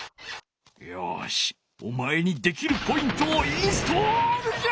よしお前にできるポイントをインストールじゃ！